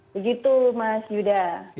begitu mas yudha